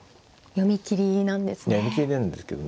読み切りなんですけどね